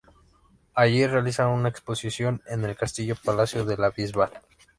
Allí realiza una exposición en el Castillo-palacio de la Bisbal.